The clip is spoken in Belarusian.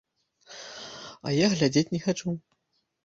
А я глядзець не хачу.